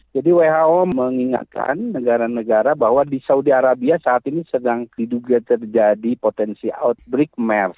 jadi who mengingatkan negara negara bahwa di saudi arabia saat ini sedang diduga terjadi potensi outbreak mers